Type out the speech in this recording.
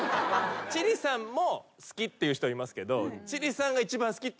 千里さんも好きっていう人はいますけど。